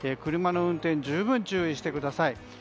車の運転、十分注意してください。